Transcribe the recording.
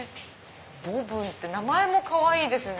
ボブンって名前もかわいいですね。